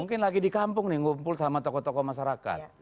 mungkin lagi di kampung nih ngumpul sama tokoh tokoh masyarakat